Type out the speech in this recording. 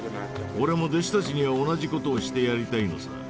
俺も弟子たちには同じことをしてやりたいのさ。